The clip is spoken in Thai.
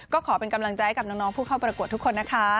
ก็ขอเป็นกำลังใจให้กับน้องผู้เข้าประกวดทุกคนนะคะ